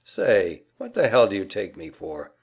"Say, what the hell do you take me for?"